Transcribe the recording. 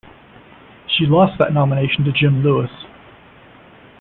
She lost that nomination to Jim Lewis.